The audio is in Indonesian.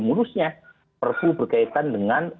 murusnya perlu berkaitan dengan